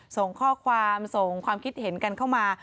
ส่งข้อความส่งความคิดเห็นกันเข้ามา